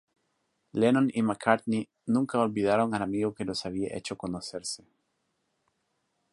Lennon y McCartney nunca olvidaron al amigo que los había hecho conocerse.